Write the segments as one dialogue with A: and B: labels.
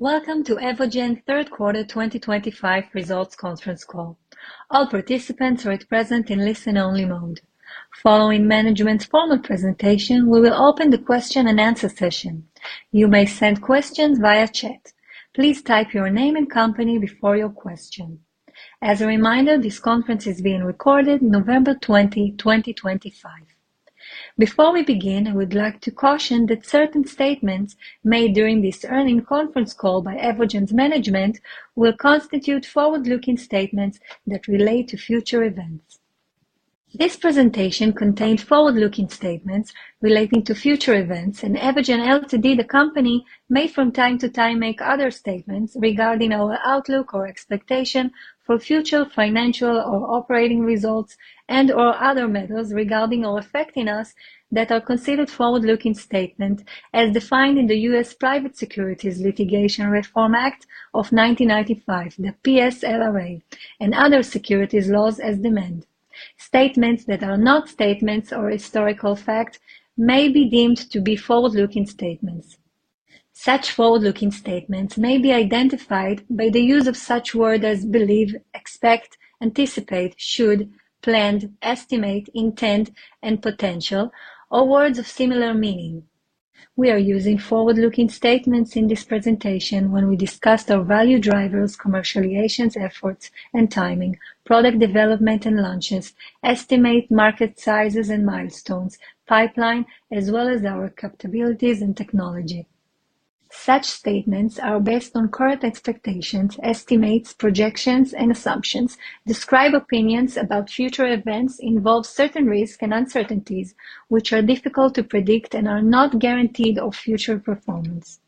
A: Welcome to Evogene Q3 2025 Results Conference Call. All participants are at present in listen-only mode. Following management's formal presentation, we will open the Q&A session. You may send questions via chat. Please type your name and company before your question. As a reminder, this conference is being recorded on November 20, 2025. Before we begin, I would like to caution that certain statements made during this earnings conference call by Evogene's management will constitute forward-looking statements that relate to future events. This presentation contains forward-looking statements relating to future events, and Evogene, the company, may from time to time make other statements regarding our outlook or expectation for future financial or operating results and/or other matters regarding or affecting us that are considered forward-looking statements, as defined in the U.S. Private Securities Litigation Reform Act of 1995, the PSLRA, and other securities laws as demand. Statements that are not statements or historical facts may be deemed to be forward-looking statements. Such forward-looking statements may be identified by the use of such words as believe, expect, anticipate, should, planned, estimate, intend, and potential, or words of similar meaning. We are using forward-looking statements in this presentation when we discuss our value drivers, commercialization efforts and timing, product development and launches, estimate market sizes and milestones, pipeline, as well as our capabilities and technology. Such statements are based on current expectations, estimates, projections, and assumptions, describe opinions about future events, involve certain risks and uncertainties which are difficult to predict and are not guaranteed of future performance.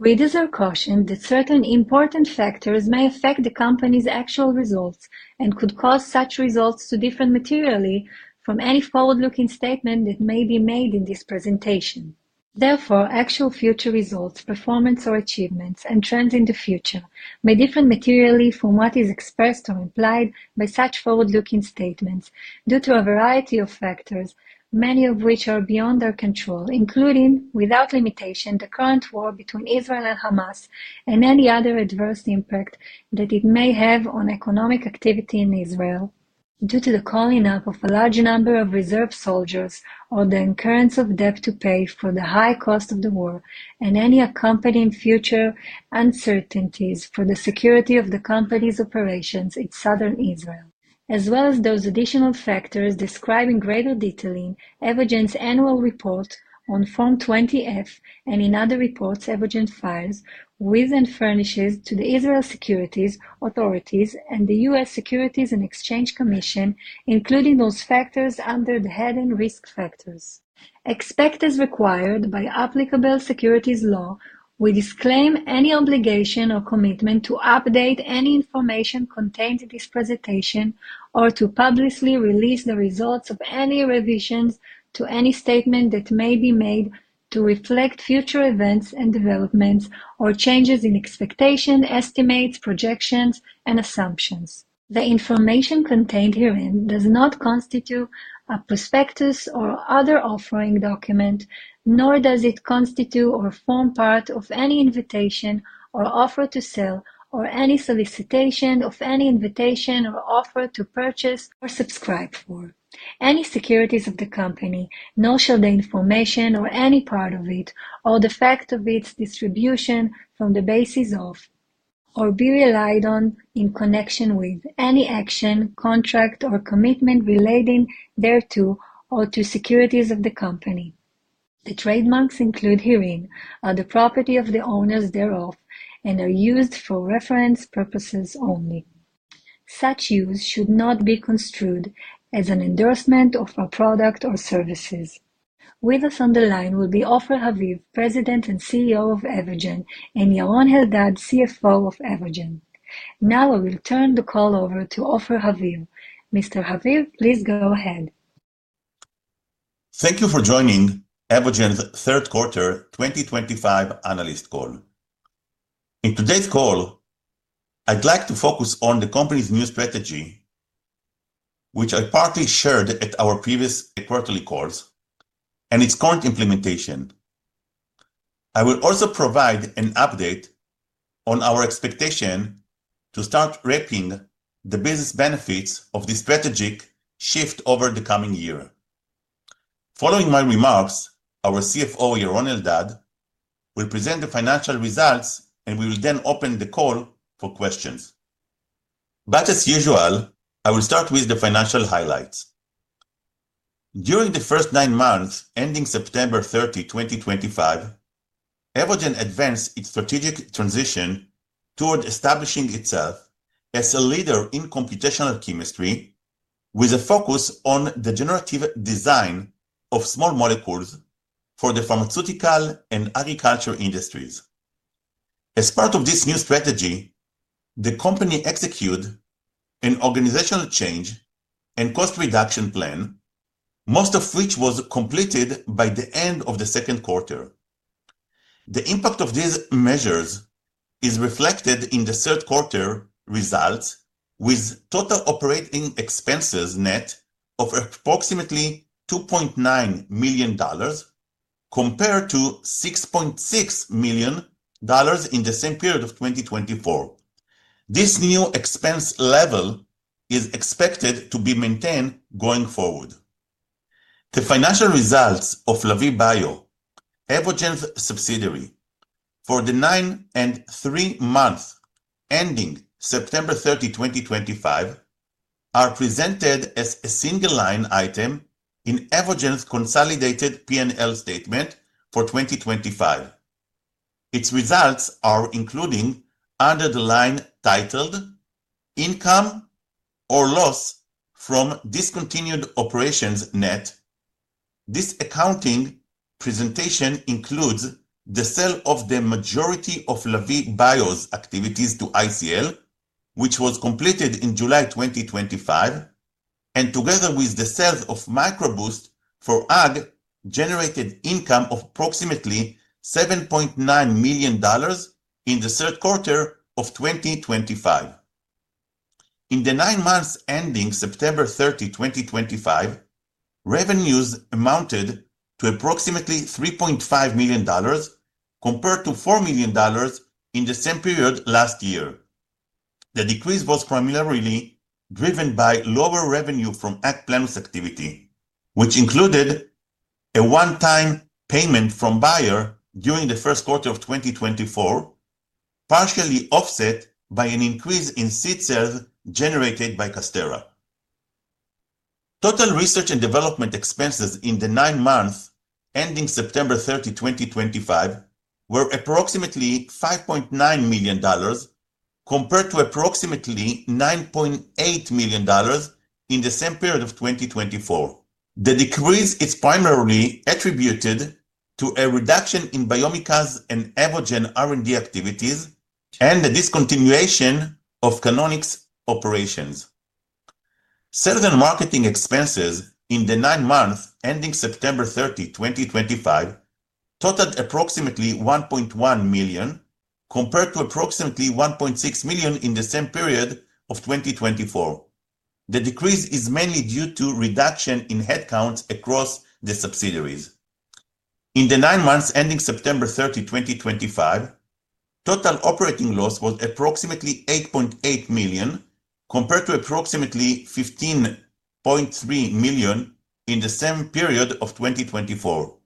A: We advise caution that certain important factors may affect the company's actual results and could cause such results to differ materially from any forward-looking statement that may be made in this presentation. Therefore, actual future results, performance or achievements, and trends in the future may differ materially from what is expressed or implied by such forward-looking statements due to a variety of factors, many of which are beyond our control, including, without limitation, the current war between Israel and Hamas and any other adverse impact that it may have on economic activity in Israel due to the calling up of a large number of reserve soldiers or the incurrence of debt to pay for the high cost of the war and any accompanying future uncertainties for the security of the company's operations in Southern Israel, as well as those additional factors described in greater detail in Evogene's annual report on Form 20F and in other reports Evogene files with and furnishes to the Israel Securities Authorities and the U.S. Securities and Exchange Commission, including those factors under the heading Risk Factors. as required by applicable securities law, we disclaim any obligation or commitment to update any information contained in this presentation or to publicly release the results of any revisions to any statement that may be made to reflect future events and developments or changes in expectations, estimates, projections, and assumptions. The information contained herein does not constitute a prospectus or other offering document, nor does it constitute or form part of any invitation or offer to sell or any solicitation of any invitation or offer to purchase or subscribe for any securities of the company, nor shall the information or any part of it or the fact of its distribution form the basis of or be relied on in connection with any action, contract, or commitment relating thereto or to securities of the company. The trademarks included herein are the property of the owners thereof and are used for reference purposes only. Such use should not be construed as an endorsement of a product or services. With us on the line will be Ofer Haviv, President and CEO of Evogene, and Yaron Eldad, CFO of Evogene. Now I will turn the call over to Ofer Haviv. Mr. Haviv, please go ahead.
B: Thank you for joining Evogene's Q3 2025 analyst call. In today's call, I'd like to focus on the company's new strategy, which I partly shared at our previous quarterly calls, and its current implementation. I will also provide an update on our expectation to start reaping the business benefits of this strategic shift over the coming year. Following my remarks, our CFO, Yaron Eldad, will present the financial results, and we will then open the call for questions. As usual, I will start with the financial highlights. During the first nine months ending September 30, 2025, Evogene advanced its strategic transition toward establishing itself as a leader in computational chemistry with a focus on the generative design of small molecules for the pharmaceutical and agriculture industries. As part of this new strategy, the company executed an organizational change and cost reduction plan, most of which was completed by the end of the second quarter. The impact of these measures is reflected in the third quarter results, with total operating expenses net of approximately $2.9 million compared to $6.6 million in the same period of 2024. This new expense level is expected to be maintained going forward. The financial results of Lavie Bio, Evogene's subsidiary, for the nine and three months ending September 30, 2025, are presented as a single line item in Evogene's consolidated P&L statement for 2025. Its results are included under the line titled Income or Loss from Discontinued Operations Net. This accounting presentation includes the sale of the majority of Lavie Bio's activities to ICL, which was completed in July 2025, and together with the sales of Microboost AI for Ag, generated income of approximately $7.9 million in the third quarter of 2025. In the nine months ending September 30, 2025, revenues amounted to approximately $3.5 million compared to $4 million in the same period last year. The decrease was primarily driven by lower revenue from AgPlenus activity, which included a one-time payment from Bayer during the first quarter of 2024, partially offset by an increase in seed sales generated by Casterra. Total research and development expenses in the nine months ending September 30, 2025, were approximately $5.9 million compared to approximately $9.8 million in the same period of 2024. The decrease is primarily attributed to a reduction in Biomica's and Evogene R&D activities and the discontinuation of Canonic's operations. Sales and marketing expenses in the nine months ending September 30, 2025, totaled approximately $1.1 million compared to approximately $1.6 million in the same period of 2024. The decrease is mainly due to reduction in headcounts across the subsidiaries. In the nine months ending September 30, 2025, total operating loss was approximately $8.8 million compared to approximately $15.3 million in the same period of 2024.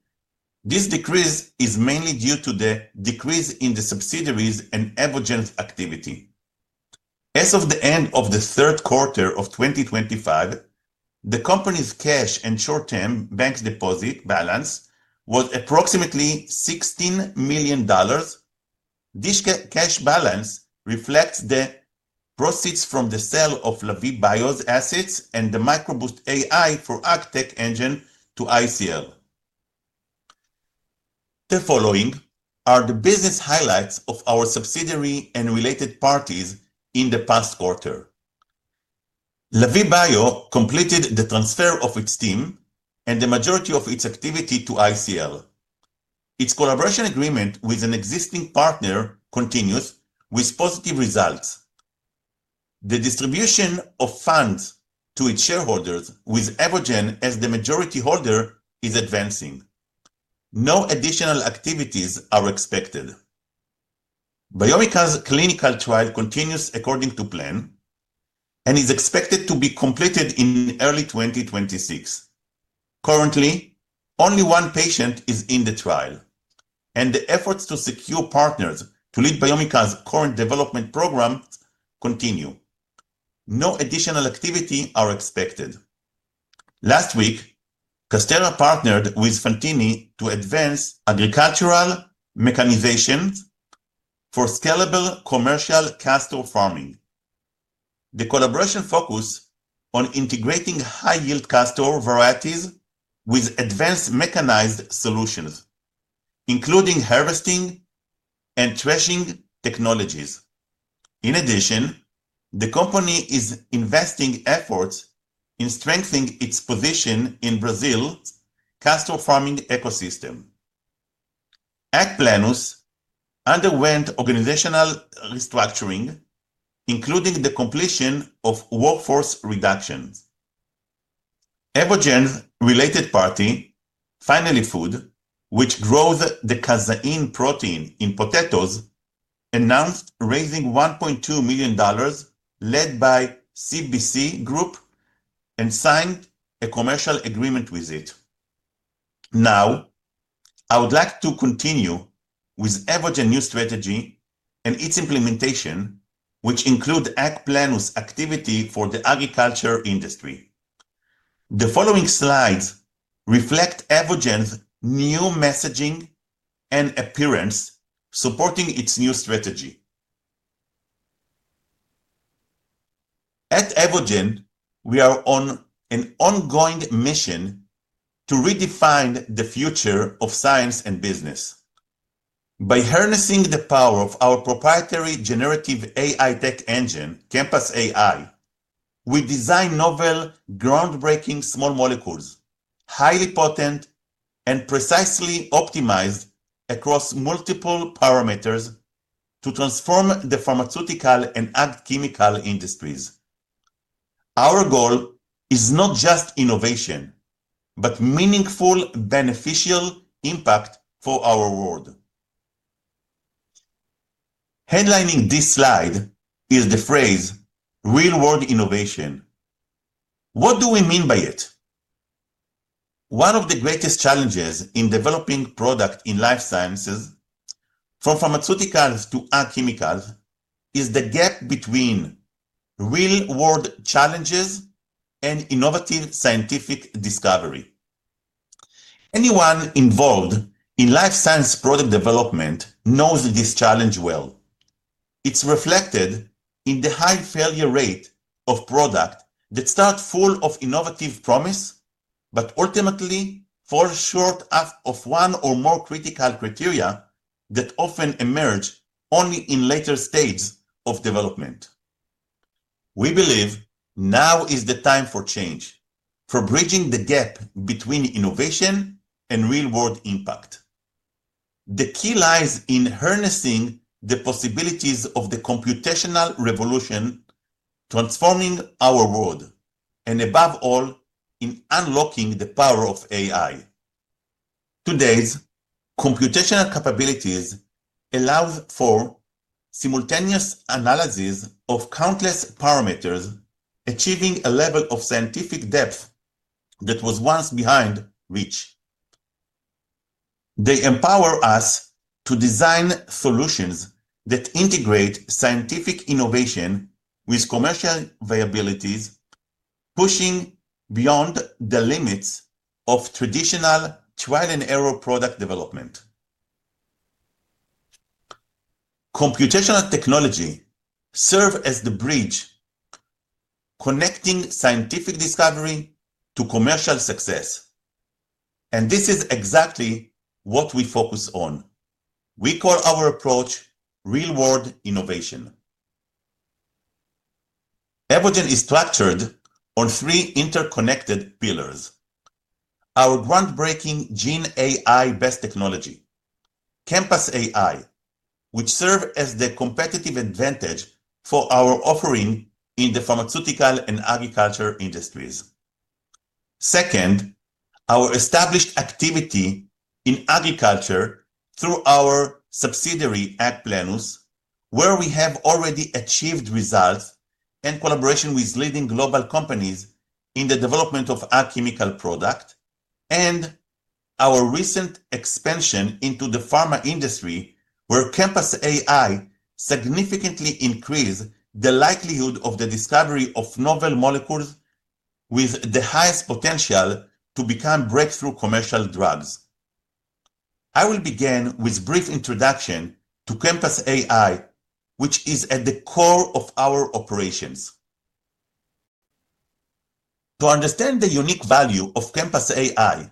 B: This decrease is mainly due to the decrease in the subsidiaries and Evogene's activity. As of the end of the third quarter of 2025, the company's cash and short-term bank deposit balance was approximately $16 million. This cash balance reflects the proceeds from the sale of Lavie Bio's assets and the Microboost AI for AgTech Engine to ICL. The following are the business highlights of our subsidiary and related parties in the past quarter. Lavie Bio completed the transfer of its team and the majority of its activity to ICL. Its collaboration agreement with an existing partner continues with positive results. The distribution of funds to its shareholders with Evogene as the majority holder is advancing. No additional activities are expected. Biomica's clinical trial continues according to plan and is expected to be completed in early 2026. Currently, only one patient is in the trial, and the efforts to secure partners to lead Biomica's current development program continue. No additional activity is expected. Last week, Casterra partnered with Fantini to advance agricultural mechanization for scalable commercial castor farming. The collaboration focuses on integrating high-yield castor varieties with advanced mechanized solutions, including harvesting and threshing technologies. In addition, the company is investing efforts in strengthening its position in Brazil's castor farming ecosystem. AgPlenus underwent organizational restructuring, including the completion of workforce reductions. Evogene's related party, Finally Food, which grows the casein protein in potatoes, announced raising $1.2 million led by CBC Group and signed a commercial agreement with it. Now, I would like to continue with Evogene's new strategy and its implementation, which includes AgPlenus' activity for the agriculture industry. The following slides reflect Evogene's new messaging and appearance supporting its new strategy. At Evogene, we are on an ongoing mission to redefine the future of science and business. By harnessing the power of our proprietary generative AI tech engine, Campus AI, we design novel groundbreaking small molecules, highly potent and precisely optimized across multiple parameters to transform the pharmaceutical and ag-chemical industries. Our goal is not just innovation, but meaningful beneficial impact for our world. Headlining this slide is the phrase "real-world innovation." What do we mean by it? One of the greatest challenges in developing products in life sciences, from pharmaceuticals to ag-chemicals, is the gap between real-world challenges and innovative scientific discovery. Anyone involved in life science product development knows this challenge well. It's reflected in the high failure rate of products that start full of innovative promise but ultimately fall short of one or more critical criteria that often emerge only in later stages of development. We believe now is the time for change, for bridging the gap between innovation and real-world impact. The key lies in harnessing the possibilities of the computational revolution transforming our world and, above all, in unlocking the power of AI. Today's computational capabilities allow for simultaneous analysis of countless parameters, achieving a level of scientific depth that was once beyond reach. They empower us to design solutions that integrate scientific innovation with commercial viabilities, pushing beyond the limits of traditional trial-and-error product development. Computational technology serves as the bridge connecting scientific discovery to commercial success, and this is exactly what we focus on. We call our approach real-world innovation. Evogene is structured on three interconnected pillars: our groundbreaking gene AI-based technology, Campus AI, which serves as the competitive advantage for our offering in the pharmaceutical and agriculture industries. Second, our established activity in agriculture through our subsidiary AgPlenus, where we have already achieved results and collaboration with leading global companies in the development of ag-chemical products, and our recent expansion into the pharma industry, where Campus AI significantly increases the likelihood of the discovery of novel molecules with the highest potential to become breakthrough commercial drugs. I will begin with a brief introduction to Campus AI, which is at the core of our operations. To understand the unique value of Campus AI,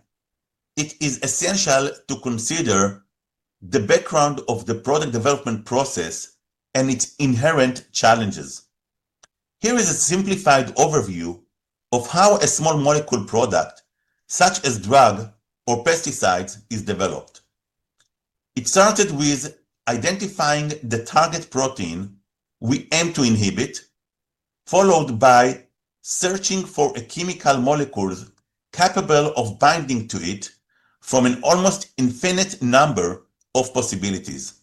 B: it is essential to consider the background of the product development process and its inherent challenges. Here is a simplified overview of how a small molecule product, such as drugs or pesticides, is developed. It started with identifying the target protein we aim to inhibit, followed by searching for a chemical molecule capable of binding to it from an almost infinite number of possibilities.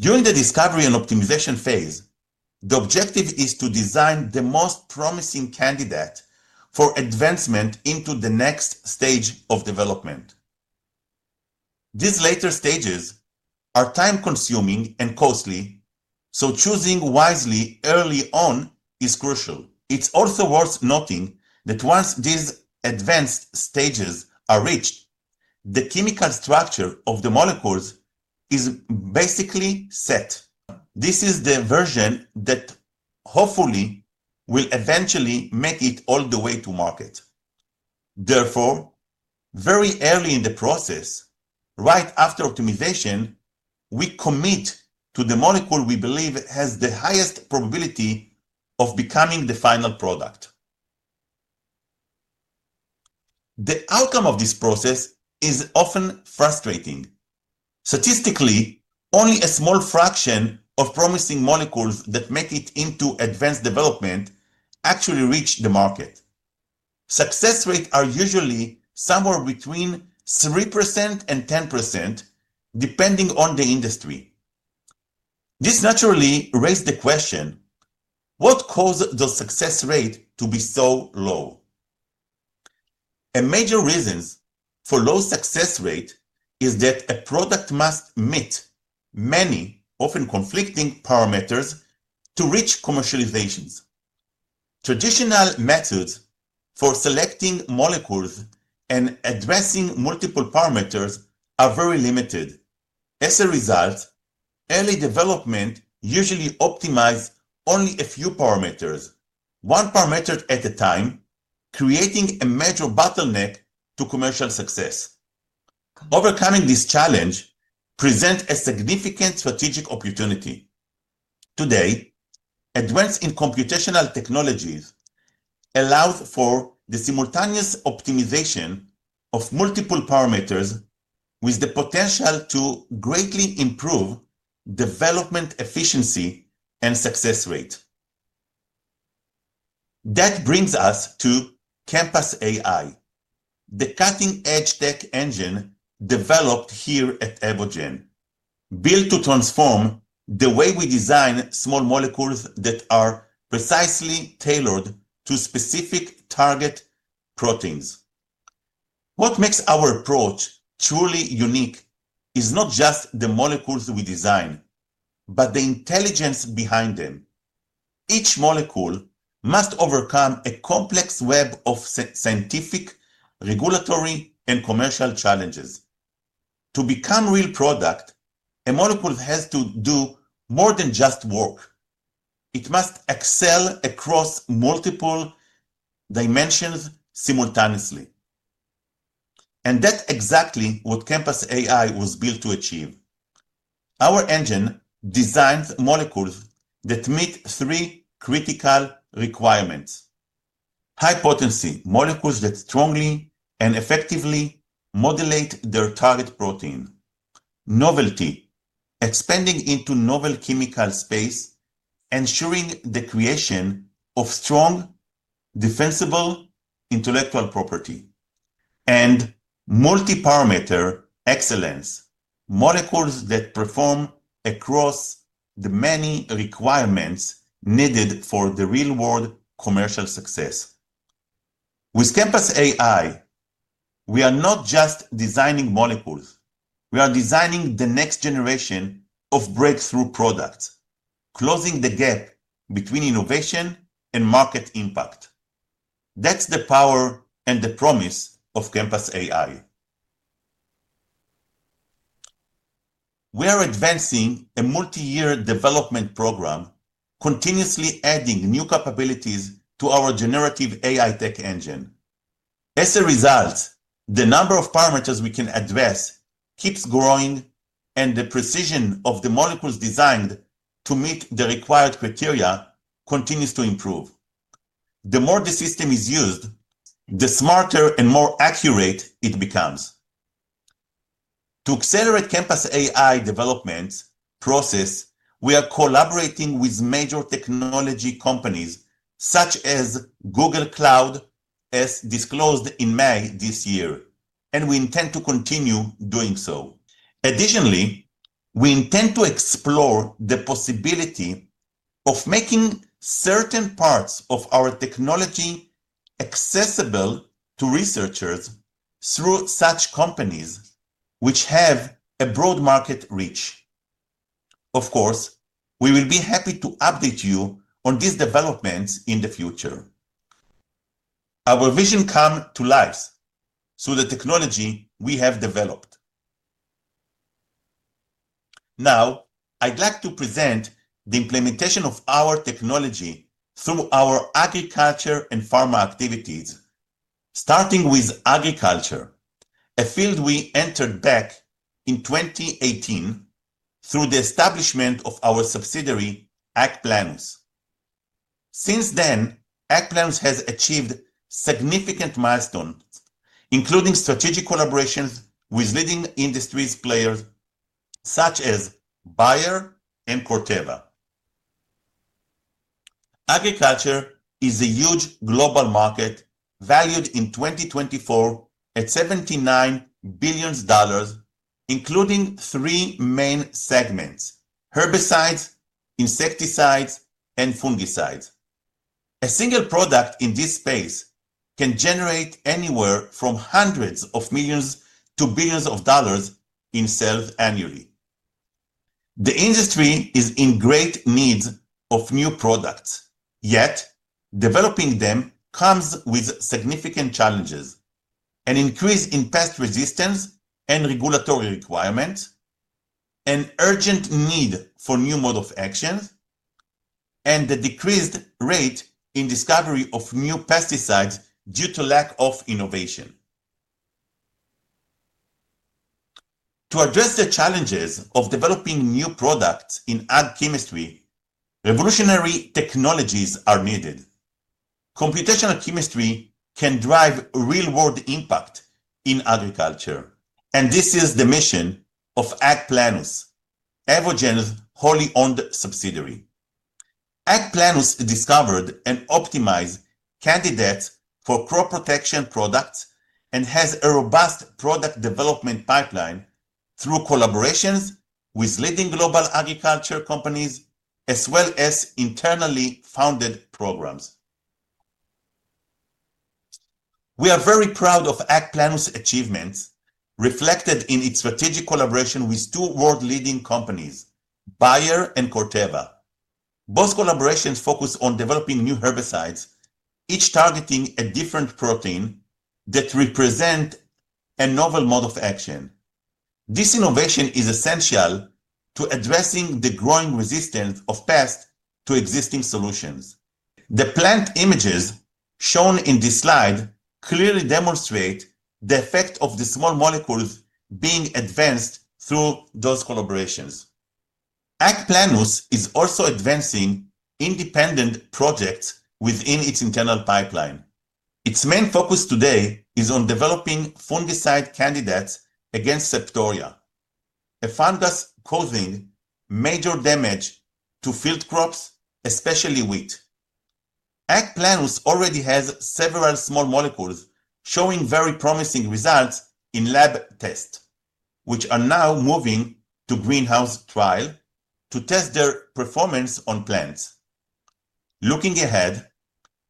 B: During the discovery and optimization phase, the objective is to design the most promising candidate for advancement into the next stage of development. These later stages are time-consuming and costly, so choosing wisely early on is crucial. It's also worth noting that once these advanced stages are reached, the chemical structure of the molecules is basically set. This is the version that hopefully will eventually make it all the way to market. Therefore, very early in the process, right after optimization, we commit to the molecule we believe has the highest probability of becoming the final product. The outcome of this process is often frustrating. Statistically, only a small fraction of promising molecules that make it into advanced development actually reach the market. Success rates are usually somewhere between 3% and 10%, depending on the industry. This naturally raises the question: what caused the success rate to be so low? A major reason for low success rates is that a product must meet many, often conflicting, parameters to reach commercialization. Traditional methods for selecting molecules and addressing multiple parameters are very limited. As a result, early development usually optimizes only a few parameters, one parameter at a time, creating a major bottleneck to commercial success. Overcoming this challenge presents a significant strategic opportunity. Today, advances in computational technologies allow for the simultaneous optimization of multiple parameters, with the potential to greatly improve development efficiency and success rate. That brings us to Campus AI, the cutting-edge tech engine developed here at Evogene, built to transform the way we design small molecules that are precisely tailored to specific target proteins. What makes our approach truly unique is not just the molecules we design, but the intelligence behind them. Each molecule must overcome a complex web of scientific, regulatory, and commercial challenges. To become a real product, a molecule has to do more than just work. It must excel across multiple dimensions simultaneously. That is exactly what Campus AI was built to achieve. Our engine designs molecules that meet three critical requirements: high potency—molecules that strongly and effectively modulate their target protein; novelty—expanding into novel chemical space, ensuring the creation of strong, defensible intellectual property; and multi-parameter excellence—molecules that perform across the many requirements needed for the real-world commercial success. With Campus AI, we are not just designing molecules. We are designing the next generation of breakthrough products, closing the gap between innovation and market impact. That is the power and the promise of Campus AI. We are advancing a multi-year development program, continuously adding new capabilities to our generative AI tech engine. As a result, the number of parameters we can address keeps growing, and the precision of the molecules designed to meet the required criteria continues to improve. The more the system is used, the smarter and more accurate it becomes. To accelerate Campus AI development process, we are collaborating with major technology companies such as Google Cloud, as disclosed in May this year, and we intend to continue doing so. Additionally, we intend to explore the possibility of making certain parts of our technology accessible to researchers through such companies which have a broad market reach. Of course, we will be happy to update you on these developments in the future. Our vision comes to life through the technology we have developed. Now, I'd like to present the implementation of our technology through our agriculture and pharma activities, starting with agriculture, a field we entered back in 2018 through the establishment of our subsidiary AgPlenus. Since then, AgPlenus has achieved significant milestones, including strategic collaborations with leading industry players such as Bayer and Corteva. Agriculture is a huge global market valued in 2024 at $79 billion, including three main segments: herbicides, insecticides, and fungicides. A single product in this space can generate anywhere from hundreds of millions to billions of dollars in sales annually. The industry is in great need of new products, yet developing them comes with significant challenges: an increase in pest resistance and regulatory requirements, an urgent need for new modes of action, and a decreased rate in discovery of new pesticides due to lack of innovation. To address the challenges of developing new products in ag-chemistry, revolutionary technologies are needed. Computational chemistry can drive real-world impact in agriculture, and this is the mission of AgPlenus, Evogene's wholly owned subsidiary. AgPlenus discovered and optimized candidates for crop protection products and has a robust product development pipeline through collaborations with leading global agriculture companies as well as internally founded programs. We are very proud of AgPlenus' achievements, reflected in its strategic collaboration with two world-leading companies, Bayer and Corteva. Both collaborations focus on developing new herbicides, each targeting a different protein that represents a novel mode of action. This innovation is essential to addressing the growing resistance of pests to existing solutions. The plant images shown in this slide clearly demonstrate the effect of the small molecules being advanced through those collaborations. AgPlenus is also advancing independent projects within its internal pipeline. Its main focus today is on developing fungicide candidates against Septoria, a fungus causing major damage to field crops, especially wheat. AgPlenus already has several small molecules showing very promising results in lab tests, which are now moving to greenhouse trials to test their performance on plants. Looking ahead,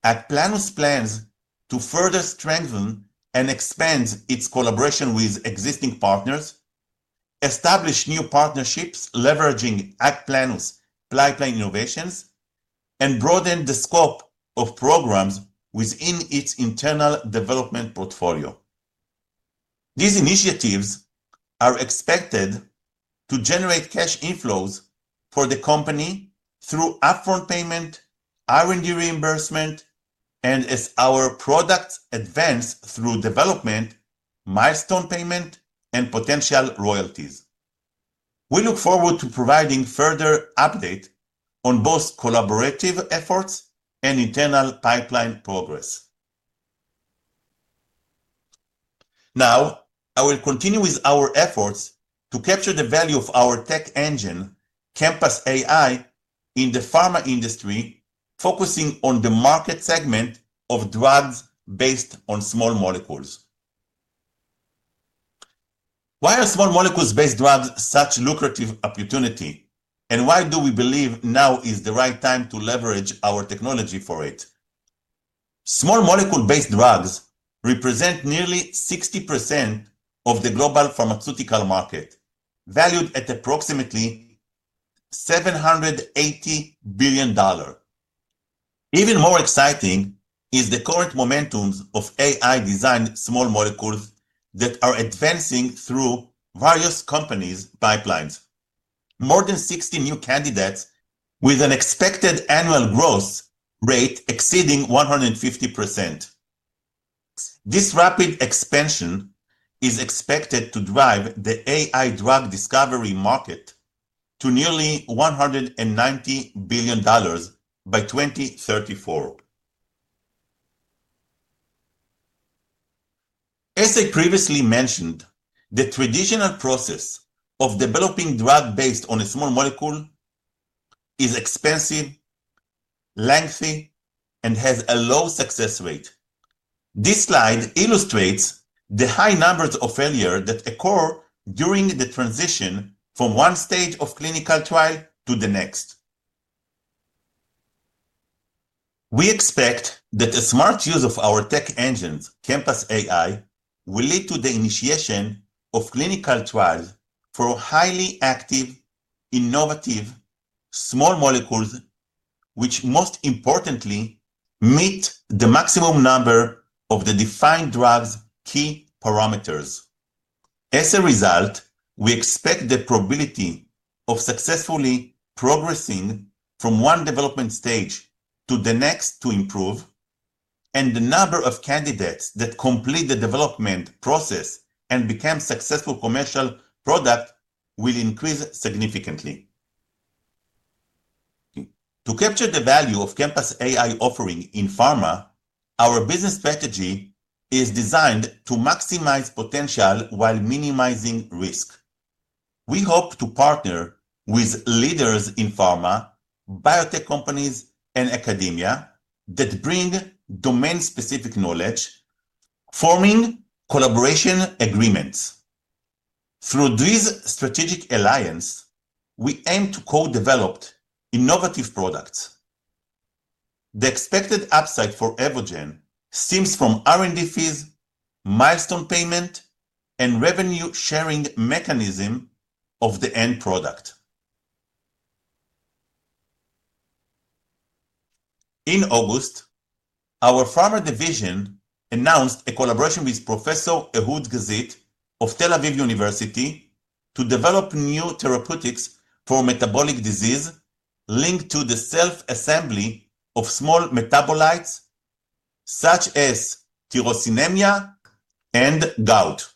B: AgPlenus plans to further strengthen and expand its collaboration with existing partners, establish new partnerships leveraging AgPlenus' pipeline innovations, and broaden the scope of programs within its internal development portfolio. These initiatives are expected to generate cash inflows for the company through upfront payment, R&D reimbursement, and as our products advance through development, milestone payment, and potential royalties. We look forward to providing further updates on both collaborative efforts and internal pipeline progress. Now, I will continue with our efforts to capture the value of our tech engine, Campus AI, in the pharma industry, focusing on the market segment of drugs based on small molecules. Why are small molecules-based drugs such a lucrative opportunity, and why do we believe now is the right time to leverage our technology for it? Small molecule-based drugs represent nearly 60% of the global pharmaceutical market, valued at approximately $780 billion. Even more exciting is the current momentum of AI-designed small molecules that are advancing through various companies' pipelines. More than 60 new candidates, with an expected annual growth rate exceeding 150%. This rapid expansion is expected to drive the AI drug discovery market to nearly $190 billion by 2034. As I previously mentioned, the traditional process of developing drugs based on a small molecule is expensive, lengthy, and has a low success rate. This slide illustrates the high numbers of failures that occur during the transition from one stage of clinical trial to the next. We expect that a smart use of our tech engine, Campus AI, will lead to the initiation of clinical trials for highly active, innovative small molecules which, most importantly, meet the maximum number of the defined drug's key parameters. As a result, we expect the probability of successfully progressing from one development stage to the next to improve, and the number of candidates that complete the development process and become a successful commercial product will increase significantly. To capture the value of Campus AI offering in pharma, our business strategy is designed to maximize potential while minimizing risk. We hope to partner with leaders in pharma, biotech companies, and academia that bring domain-specific knowledge, forming collaboration agreements. Through these strategic alliances, we aim to co-develop innovative products. The expected upside for Evogene stems from R&D fees, milestone payment, and revenue-sharing mechanism of the end product. In August, our pharma division announced a collaboration with Professor Ehud Gazit of Tel Aviv University to develop new therapeutics for metabolic disease linked to the self-assembly of small metabolites such as tyrosinemia and gout.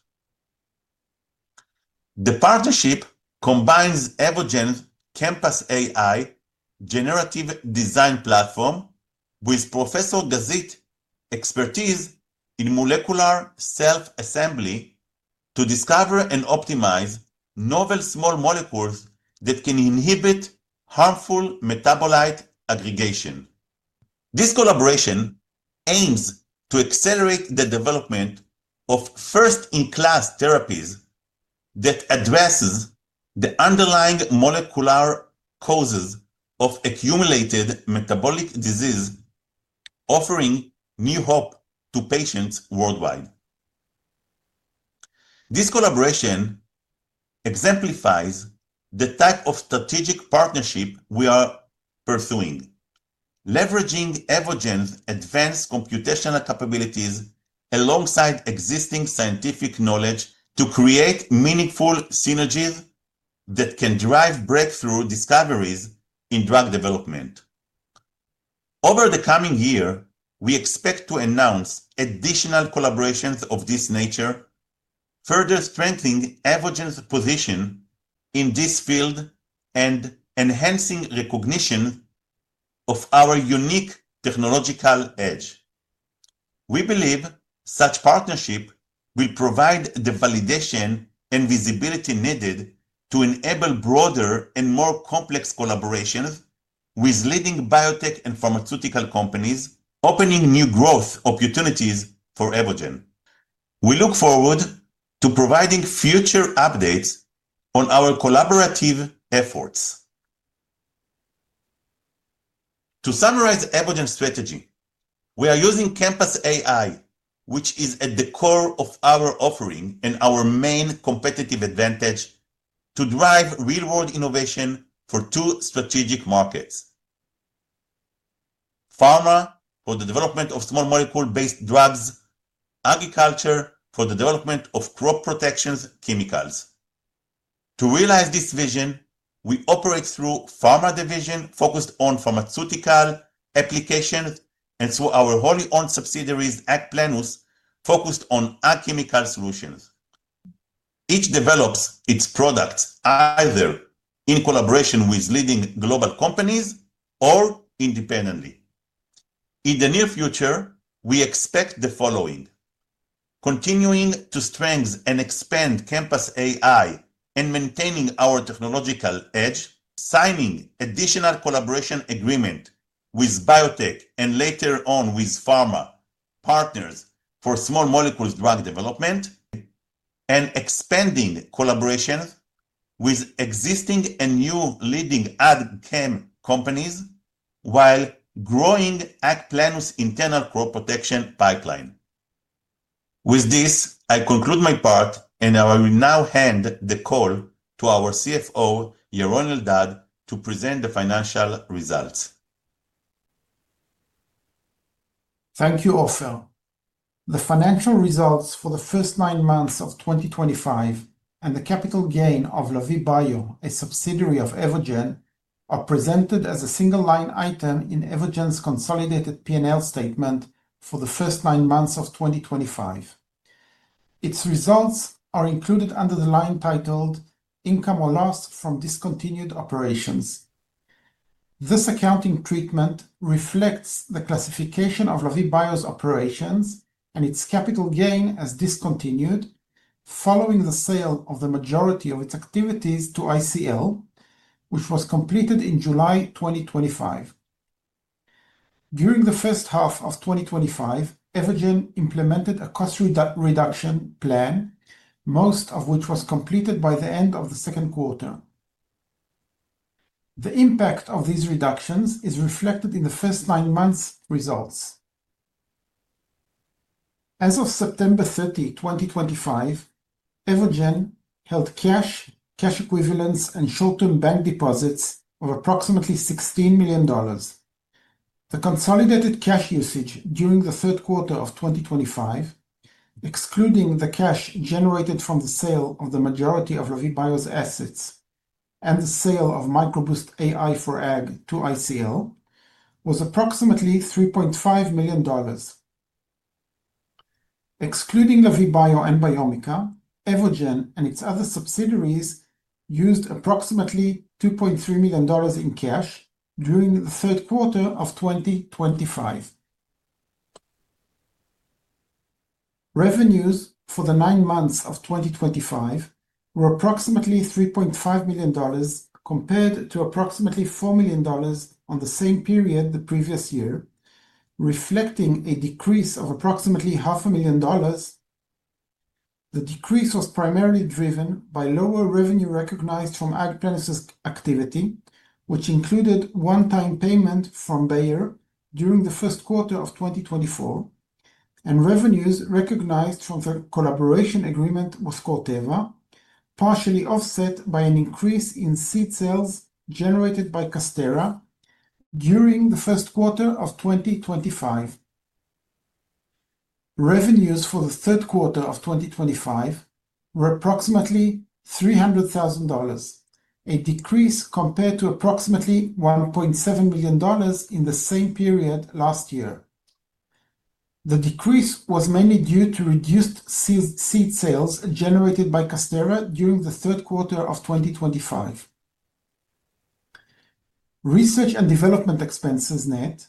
B: The partnership combines Evogene's Campus AI generative design platform with Professor Gazit's expertise in molecular self-assembly to discover and optimize novel small molecules that can inhibit harmful metabolite aggregation. This collaboration aims to accelerate the development of first-in-class therapies that address the underlying molecular causes of accumulated metabolic disease, offering new hope to patients worldwide. This collaboration exemplifies the type of strategic partnership we are pursuing, leveraging Evogene's advanced computational capabilities alongside existing scientific knowledge to create meaningful synergies that can drive breakthrough discoveries in drug development. Over the coming year, we expect to announce additional collaborations of this nature, further strengthening Evogene's position in this field and enhancing recognition of our unique technological edge. We believe such partnerships will provide the validation and visibility needed to enable broader and more complex collaborations with leading biotech and pharmaceutical companies, opening new growth opportunities for Evogene. We look forward to providing future updates on our collaborative efforts. To summarize Evogene's strategy, we are using Campus AI, which is at the core of our offering and our main competitive advantage, to drive real-world innovation for two strategic markets: pharma for the development of small molecule-based drugs, and agriculture for the development of crop protection chemicals. To realize this vision, we operate through the pharma division focused on pharmaceutical applications and through our wholly owned subsidiaries, AgPlenus, focused on ag-chemical solutions. Each develops its products either in collaboration with leading global companies or independently. In the near future, we expect the following: continuing to strengthen and expand Campus AI and maintaining our technological edge, signing additional collaboration agreements with biotech and later on with pharma partners for small molecule drug development, and expanding collaborations with existing and new leading ag-chem companies while growing AgPlenus' internal crop protection pipeline. With this, I conclude my part, and I will now hand the call to our CFO, Yaron Eldad, to present the financial results.
C: Thank you, Ofer. The financial results for the first nine months of 2025 and the capital gain of Lavie Bio, a subsidiary of Evogene, are presented as a single line item in Evogene's consolidated P&L statement for the first nine months of 2025. Its results are included under the line titled "Income or Loss from Discontinued Operations." This accounting treatment reflects the classification of Lavie Bio's operations and its capital gain as discontinued following the sale of the majority of its activities to ICL, which was completed in July 2025. During the first half of 2025, Evogene implemented a cost reduction plan, most of which was completed by the end of the second quarter. The impact of these reductions is reflected in the first nine months' results. As of September 30, 2025, Evogene held cash, cash equivalents, and short-term bank deposits of approximately $16 million. The consolidated cash usage during the third quarter of 2025, excluding the cash generated from the sale of the majority of Lavie Bio's assets and the sale of Microboost AI for Ag to ICL, was approximately $3.5 million. Excluding Lavie Bio and Biomica, Evogene and its other subsidiaries used approximately $2.3 million in cash during the third quarter of 2025. Revenues for the nine months of 2025 were approximately $3.5 million compared to approximately $4 million in the same period the previous year, reflecting a decrease of approximately $500,000. The decrease was primarily driven by lower revenue recognized from AgPlenus' activity, which included one-time payments from Bayer during the first quarter of 2024, and revenues recognized from the collaboration agreement with Corteva, partially offset by an increase in seed sales generated by Casterra during the first quarter of 2025. Revenues for the third quarter of 2025 were approximately $300,000, a decrease compared to approximately $1.7 million in the same period last year. The decrease was mainly due to reduced seed sales generated by Casterra during the third quarter of 2025. Research and development expenses net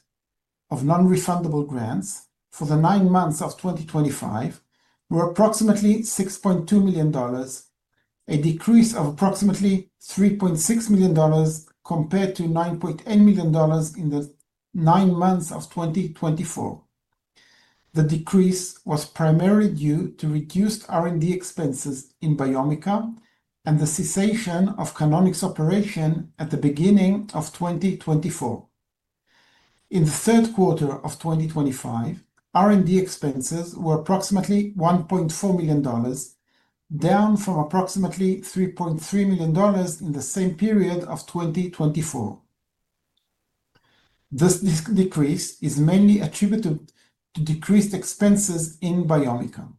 C: of non-refundable grants for the nine months of 2025 were approximately $6.2 million, a decrease of approximately $3.6 million compared to $9.8 million in the nine months of 2024. The decrease was primarily due to reduced R&D expenses in Biomica and the cessation of Canonix's operation at the beginning of 2024. In the third quarter of 2025, R&D expenses were approximately $1.4 million, down from approximately $3.3 million in the same period of 2024. This decrease is mainly attributed to decreased expenses in Biomica.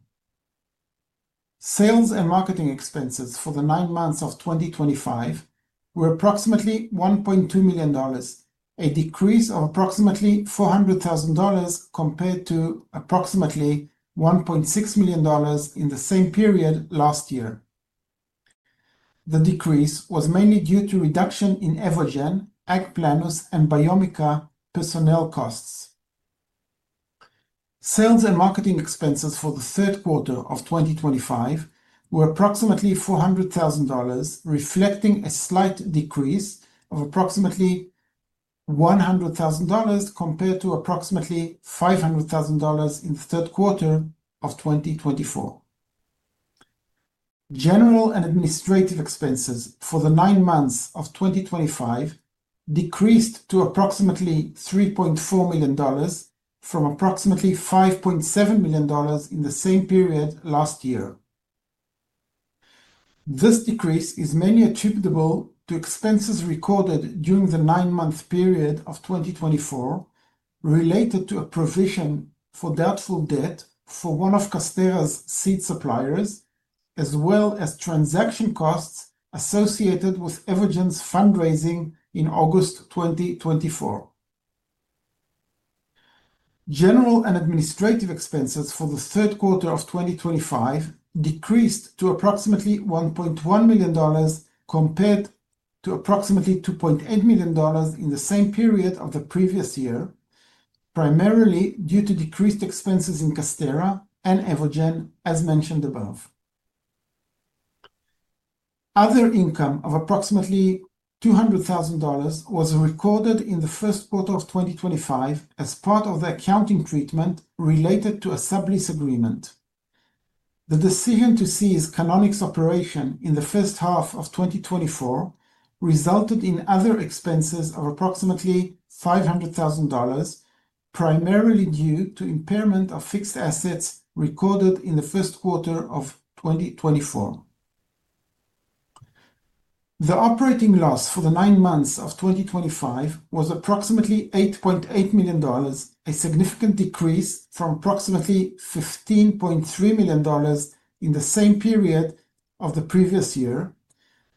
C: Sales and marketing expenses for the nine months of 2025 were approximately $1.2 million, a decrease of approximately $400,000 compared to approximately $1.6 million in the same period last year. The decrease was mainly due to reduction in Evogene, AgPlenus, and Biomica personnel costs. Sales and marketing expenses for the third quarter of 2025 were approximately $400,000, reflecting a slight decrease of approximately $100,000 compared to approximately $500,000 in the third quarter of 2024. General and administrative expenses for the nine months of 2025 decreased to approximately $3.4 million from approximately $5.7 million in the same period last year. This decrease is mainly attributable to expenses recorded during the nine-month period of 2024 related to a provision for doubtful debt for one of Casterra's seed suppliers, as well as transaction costs associated with Evogene's fundraising in August 2024. General and administrative expenses for the third quarter of 2025 decreased to approximately $1.1 million compared to approximately $2.8 million in the same period of the previous year, primarily due to decreased expenses in Casterra and Evogene, as mentioned above. Other income of approximately $200,000 was recorded in the first quarter of 2025 as part of the accounting treatment related to a sublease agreement. The decision to cease Casterra's operation in the first half of 2024 resulted in other expenses of approximately $500,000, primarily due to impairment of fixed assets recorded in the first quarter of 2024. The operating loss for the nine months of 2025 was approximately $8.8 million, a significant decrease from approximately $15.3 million in the same period of the previous year,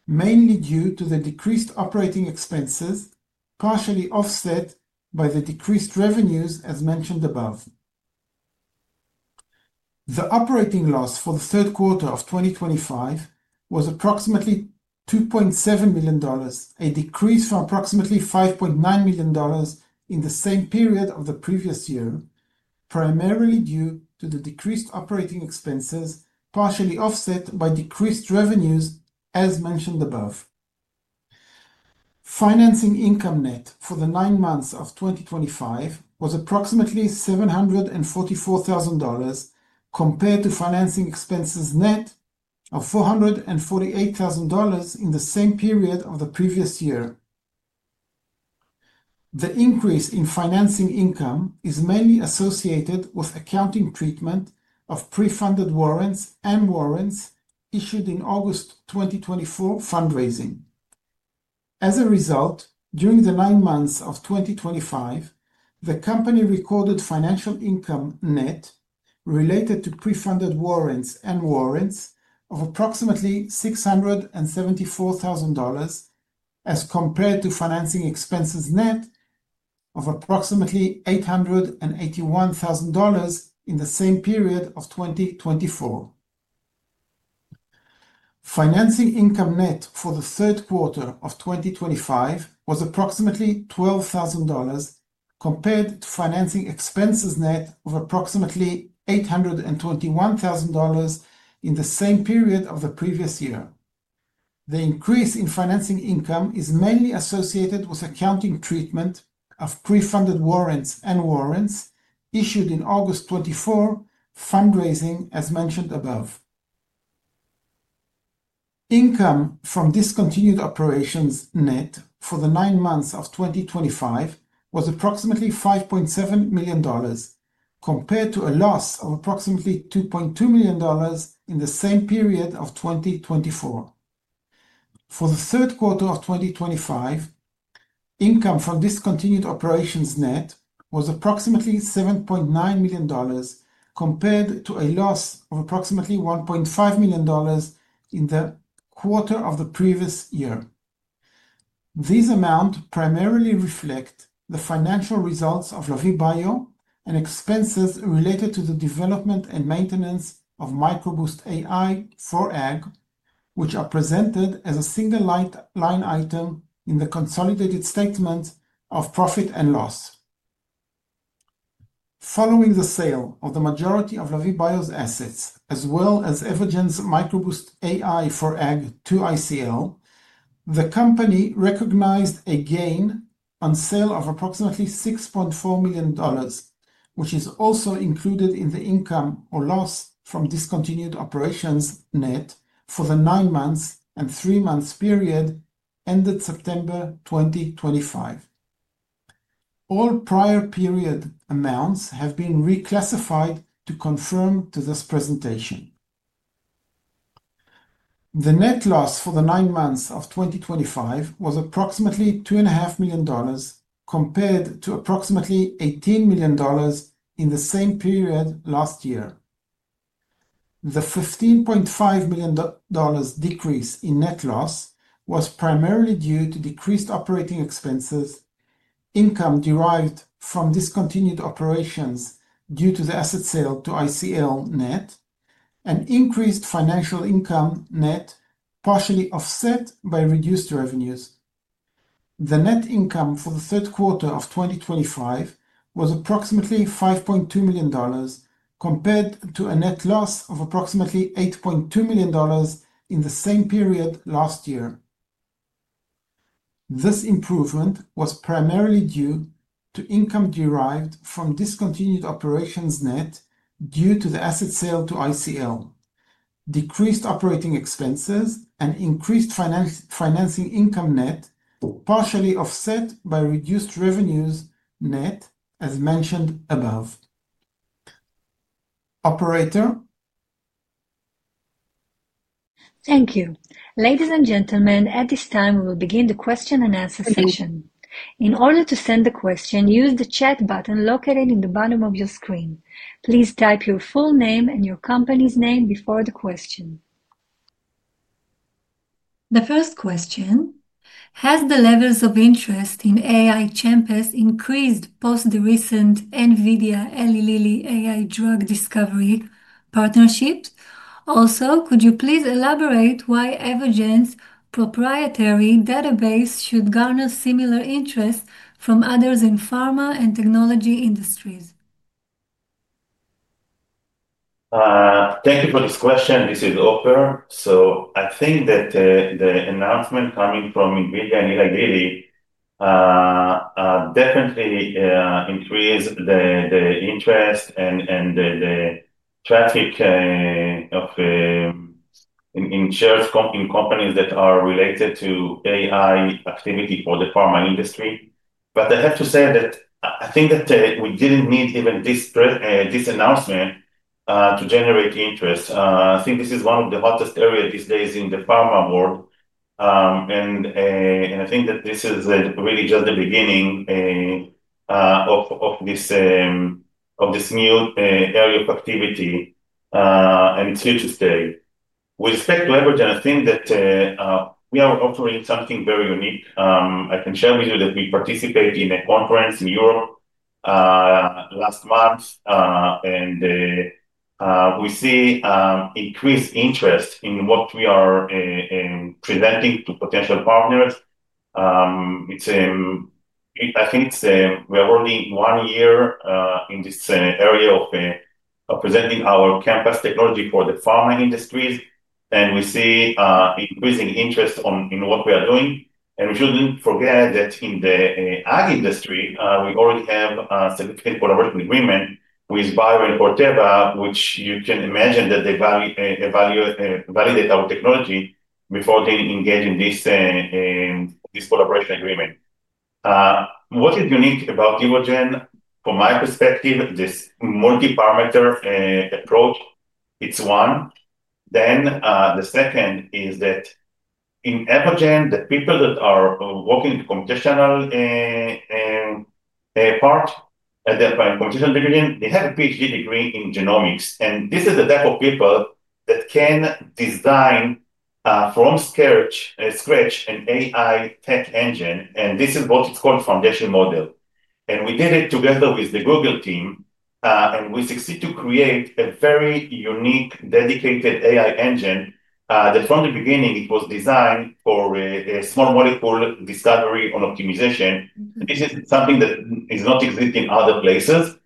C: mainly due to the decreased operating expenses partially offset by the decreased revenues, as mentioned above. The operating loss for the third quarter of 2025 was approximately $2.7 million, a decrease from approximately $5.9 million in the same period of the previous year, primarily due to the decreased operating expenses partially offset by decreased revenues, as mentioned above. Financing income net for the nine months of 2025 was approximately $744,000 compared to financing expenses net of $448,000 in the same period of the previous year. The increase in financing income is mainly associated with accounting treatment of pre-funded warrants and warrants issued in August 2024 fundraising. As a result, during the nine months of 2025, the company recorded financial income net related to pre-funded warrants and warrants of approximately $674,000, as compared to financing expenses net of approximately $881,000 in the same period of 2024. Financing income net for the third quarter of 2025 was approximately $12,000 compared to financing expenses net of approximately $821,000 in the same period of the previous year. The increase in financing income is mainly associated with accounting treatment of pre-funded warrants and warrants issued in August 2024 fundraising, as mentioned above. Income from discontinued operations net for the nine months of 2025 was approximately $5.7 million compared to a loss of approximately $2.2 million in the same period of 2024. For the third quarter of 2025, income from discontinued operations net was approximately $7.9 million compared to a loss of approximately $1.5 million in the quarter of the previous year. These amounts primarily reflect the financial results of Lavie Bio and expenses related to the development and maintenance of Microboost AI for Ag, which are presented as a single line item in the consolidated statement of profit and loss. Following the sale of the majority of Lavie Bio's assets, as well as Evogene's Microboost AI for Ag to ICL, the company recognized a gain on sale of approximately $6.4 million, which is also included in the income or loss from discontinued operations net for the nine months and three months period ended September 2025. All prior period amounts have been reclassified to conform to this presentation. The net loss for the nine months of 2025 was approximately $2.5 million compared to approximately $18 million in the same period last year. The $15.5 million decrease in net loss was primarily due to decreased operating expenses, income derived from discontinued operations due to the asset sale to ICL net, and increased financial income net partially offset by reduced revenues. The net income for the third quarter of 2025 was approximately $5.2 million compared to a net loss of approximately $8.2 million in the same period last year. This improvement was primarily due to income derived from discontinued operations net due to the asset sale to ICL, decreased operating expenses, and increased financing income net partially offset by reduced revenues net, as mentioned above. Operator.
A: Thank you. Ladies and gentlemen, at this time, we will begin the question and answer session. In order to send the question, use the chat button located in the bottom of your screen. Please type your full name and your company's name before the question. The first question: Has the levels of interest in AI champs increased post the recent NVIDIA Eli Lilly AI drug discovery partnerships? Also, could you please elaborate why Evogene's proprietary database should garner similar interest from others in pharma and technology industries?
B: Thank you for this question. This is Ofer. I think that the announcement coming from NVIDIA and Eli Lilly definitely increased the interest and the traffic of shares in companies that are related to AI activity for the pharma industry. I have to say that I think that we did not need even this announcement to generate interest. I think this is one of the hottest areas these days in the pharma world. I think that this is really just the beginning of this new area of activity, and it is here to stay. With respect to Evogene, I think that we are offering something very unique. I can share with you that we participated in a conference in Europe last month, and we see increased interest in what we are presenting to potential partners. I think we are already one year in this area of presenting our champs technology for the pharma industries, and we see increasing interest in what we are doing. We shouldn't forget that in the ag industry, we already have a significant collaboration agreement with Bayer and Corteva, which you can imagine that they validate our technology before they engage in this collaboration agreement. What is unique about Evogene, from my perspective, this multi-parameter approach, it's one. The second is that in Evogene, the people that are working in the computational part, computational division, they have a PhD degree in genomics. This is the type of people that can design from scratch an AI tech engine. This is what it's called foundation model. We did it together with the Google team, and we succeeded to create a very unique dedicated AI engine that from the beginning, it was designed for small molecule discovery and optimization. This is something that is not existing in other places.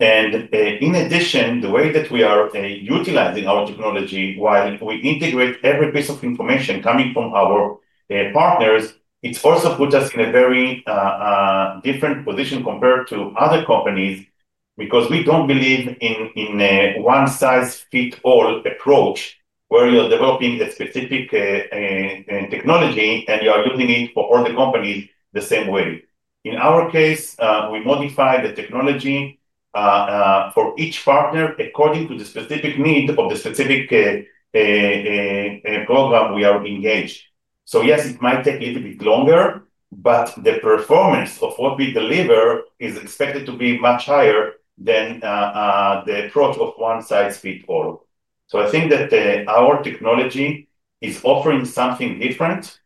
B: In addition, the way that we are utilizing our technology while we integrate every piece of information coming from our partners, it also puts us in a very different position compared to other companies because we don't believe in a one-size-fits-all approach where you're developing a specific technology and you are using it for all the companies the same way. In our case, we modify the technology for each partner according to the specific need of the specific program we are engaged. Yes, it might take a little bit longer, but the performance of what we deliver is expected to be much higher than the approach of one-size-fits-all. I think that our technology is offering something different.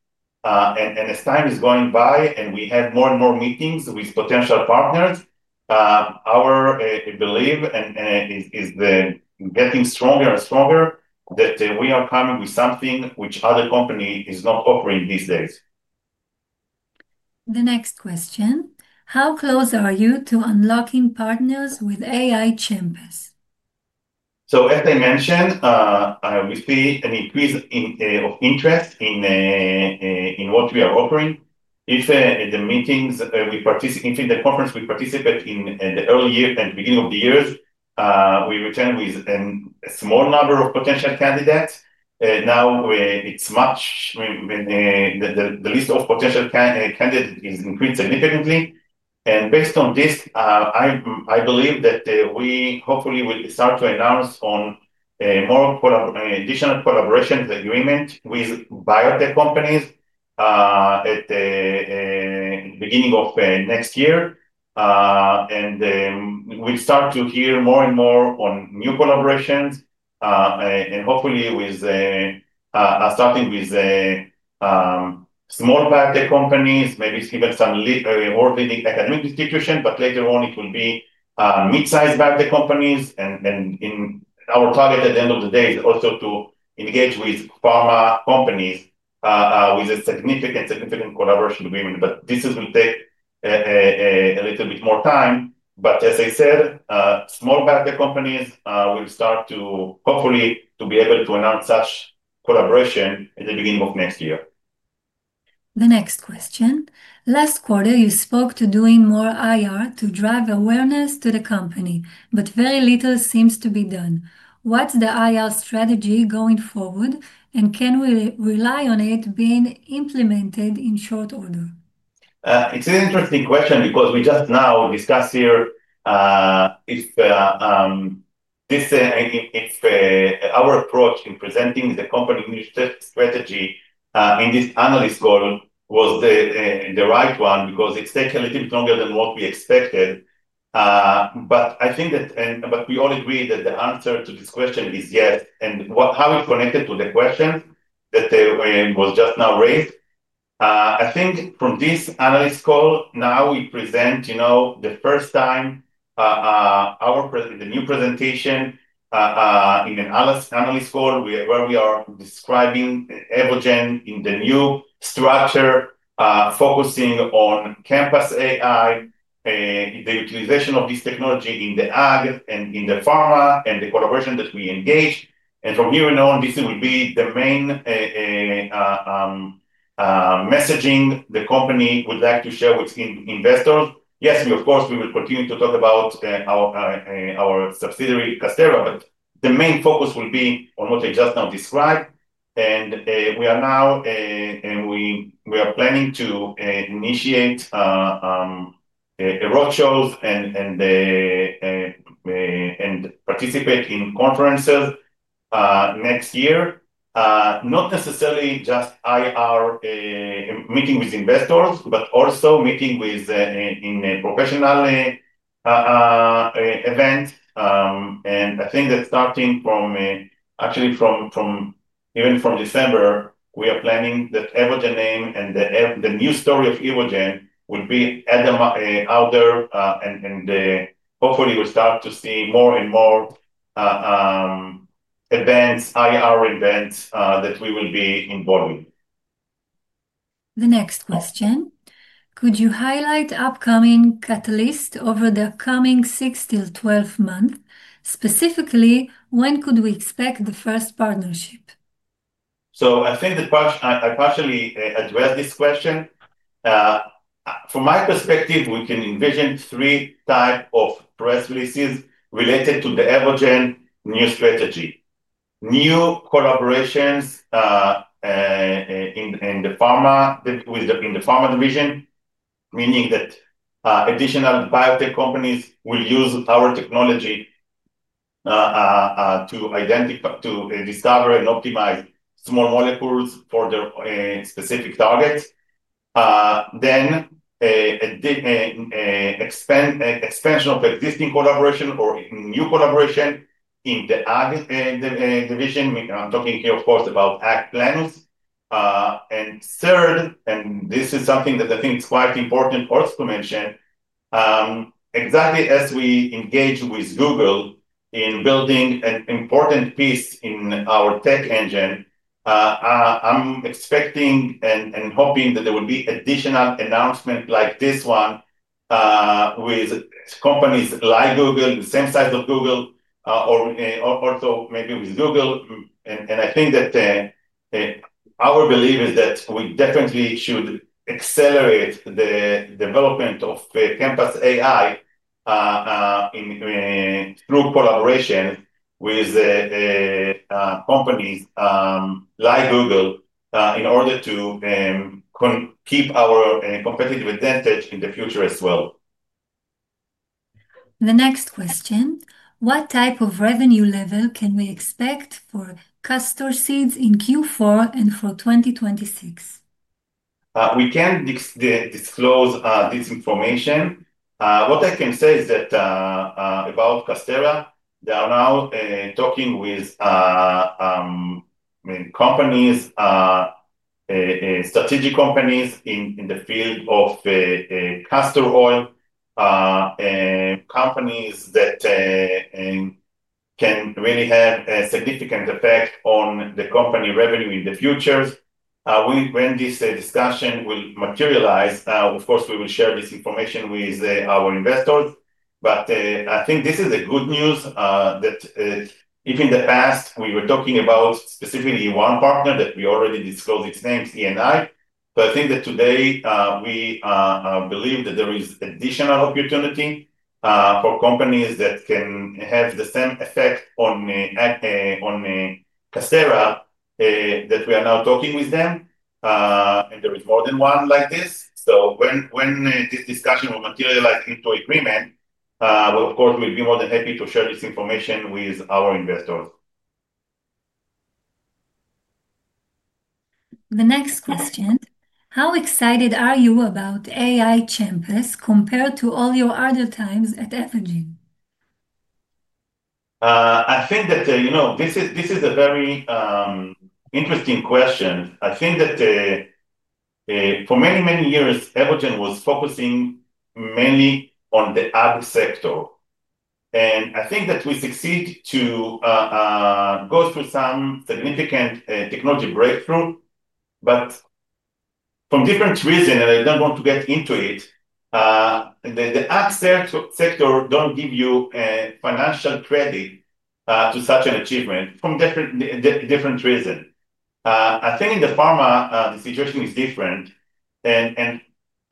B: As time is going by and we have more and more meetings with potential partners, our belief is getting stronger and stronger that we are coming with something which other companies are not offering these days.
A: The next question: How close are you to unlocking partners with AI champs?
B: As I mentioned, we see an increase in interest in what we are offering. If in the meetings we participate, if in the conference we participate in the early year and beginning of the years, we return with a small number of potential candidates. Now the list of potential candidates has increased significantly. Based on this, I believe that we hopefully will start to announce on more additional collaboration agreements with biotech companies at the beginning of next year. We will start to hear more and more on new collaborations. Hopefully, we are starting with small biotech companies, maybe even some academic institutions, but later on, it will be mid-sized biotech companies. Our target at the end of the day is also to engage with pharma companies with a significant collaboration agreement. This will take a little bit more time. As I said, small biotech companies will start to hopefully be able to announce such collaboration at the beginning of next year.
A: The next question: Last quarter, you spoke to doing more IR to drive awareness to the company, but very little seems to be done. What's the IR strategy going forward, and can we rely on it being implemented in short order?
B: It's an interesting question because we just now discussed here if our approach in presenting the company strategy in this analyst call was the right one because it takes a little bit longer than what we expected. I think that, but we all agree that the answer to this question is yes. How it connected to the question that was just now raised, I think from this analyst call, now we present the first time our new presentation in an analyst call where we are describing Evogene in the new structure, focusing on Campus AI, the utilization of this technology in the ag and in the pharma and the collaboration that we engage. From here on, this will be the main messaging the company would like to share with investors. Yes, of course, we will continue to talk about our subsidiary Casterra, but the main focus will be on what I just now described. We are now planning to initiate roadshows and participate in conferences next year, not necessarily just IR meeting with investors, but also meeting in a professional event. I think that starting from actually even from December, we are planning that Evogene name and the new story of Evogene will be at the outdoor, and hopefully, we'll start to see more and more events, IR events that we will be involved with.
A: The next question: Could you highlight upcoming catalysts over the coming 6-12 months? Specifically, when could we expect the first partnership?
B: I think I partially addressed this question. From my perspective, we can envision three types of press releases related to the Evogene new strategy. New collaborations in the pharma division, meaning that additional biotech companies will use our technology to discover and optimize small molecules for their specific targets. Expansion of existing collaboration or new collaboration in the ag division. I am talking here, of course, about AgPlenus. Third, and this is something that I think is quite important also to mention, exactly as we engage with Google in building an important piece in our tech engine, I am expecting and hoping that there will be additional announcements like this one with companies like Google, the same size of Google, or also maybe with Google. I think that our belief is that we definitely should accelerate the development of Campus AI through collaboration with companies like Google in order to keep our competitive advantage in the future as well.
A: The next question: What type of revenue level can we expect for customer seeds in Q4 and for 2026?
B: We can't disclose this information. What I can say is that about Casterra, they are now talking with companies, strategic companies in the field of castor oil, companies that can really have a significant effect on the company revenue in the future. When this discussion will materialize, of course, we will share this information with our investors. I think this is good news that if in the past, we were talking about specifically one partner that we already disclosed its name, E&I, I think that today, we believe that there is additional opportunity for companies that can have the same effect on Casterra that we are now talking with them. There is more than one like this. When this discussion will materialize into agreement, of course, we'll be more than happy to share this information with our investors.
A: The next question: How excited are you about AI champs compared to all your other times at Evogene?
B: I think that this is a very interesting question. I think that for many, many years, Evogene was focusing mainly on the ag sector. I think that we succeeded to go through some significant technology breakthrough, but from different reasons, and I don't want to get into it, the ag sector doesn't give you financial credit to such an achievement from different reasons. I think in the pharma, the situation is different.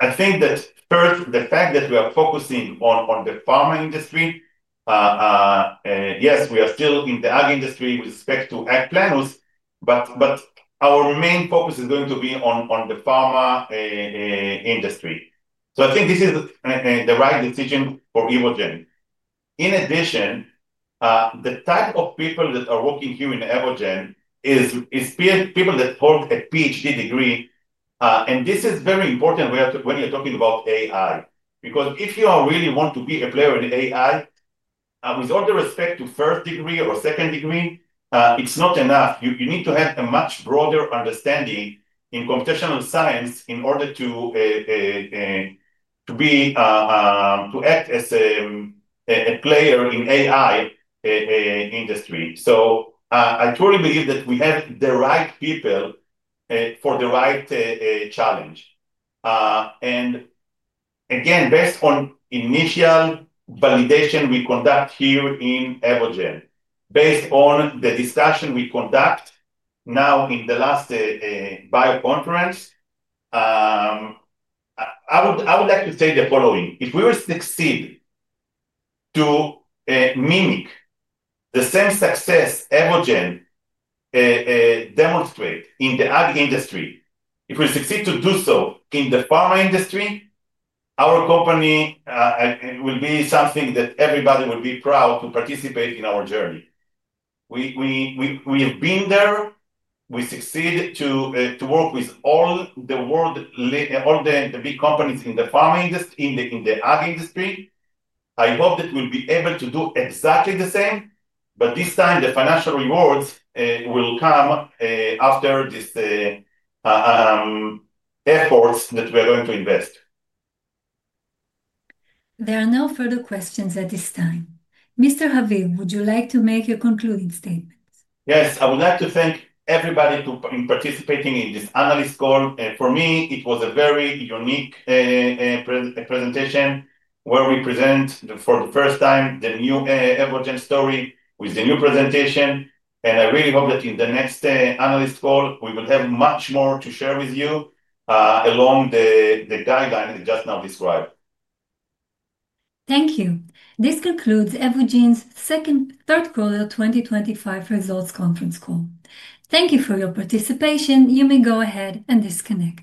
B: I think that first, the fact that we are focusing on the pharma industry, yes, we are still in the ag industry with respect to AgPlenus, but our main focus is going to be on the pharma industry. I think this is the right decision for Evogene. In addition, the type of people that are working here in Evogene is people that hold a PhD degree. This is very important when you're talking about AI, because if you really want to be a player in AI, with all the respect to first degree or second degree, it's not enough. You need to have a much broader understanding in computational science in order to act as a player in the AI industry. I truly believe that we have the right people for the right challenge. Again, based on initial validation we conduct here in Evogene, based on the discussion we conduct now in the last bio conference, I would like to say the following. If we succeed to mimic the same success Evogene demonstrates in the ag industry, if we succeed to do so in the pharma industry, our company will be something that everybody will be proud to participate in our journey. We have been there. We succeeded to work with all the big companies in the pharma industry, in the ag industry. I hope that we'll be able to do exactly the same, but this time, the financial rewards will come after these efforts that we are going to invest.
A: There are no further questions at this time. Mr. Haviv, would you like to make a concluding statement?
B: Yes, I would like to thank everybody for participating in this analyst call. For me, it was a very unique presentation where we present for the first time the new Evogene story with the new presentation. I really hope that in the next analyst call, we will have much more to share with you along the guidelines I just now described.
A: Thank you. This concludes Evogene's third quarter 2025 results conference call. Thank you for your participation. You may go ahead and disconnect.